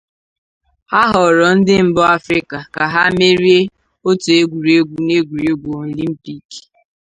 Ha ghọrọ ndi mbu Afrika ka ha merie otu egwuregwu n'egwuregwu Olympic.